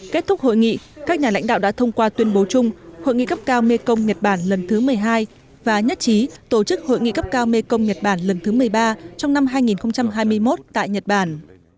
kết thúc hội nghị các nhà lãnh đạo đã thông qua tuyên bố chung hội nghị cấp cao mekong nhật bản lần thứ một mươi hai và nhất trí tổ chức hội nghị cấp cao mekong nhật bản lần thứ một mươi ba trong năm hai nghìn hai mươi một tại nhật bản